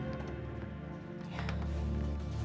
ia seharusnya bisa meninggal nde